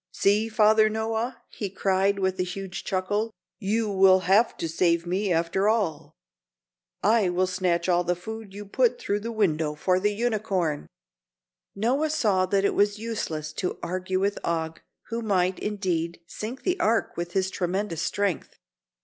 "See, Father Noah," he cried, with a huge chuckle, "you will have to save me after all. I will snatch all the food you put through the window for the unicorn." Noah saw that it was useless to argue with Og, who might, indeed, sink the Ark with his tremendous strength.